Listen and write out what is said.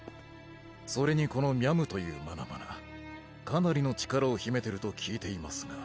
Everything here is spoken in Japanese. それにこのみゃむというマナマナかなりの力を秘めてると聞いていますが。